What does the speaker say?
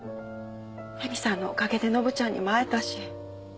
詠美さんのおかげでのぶちゃんにも会えたし。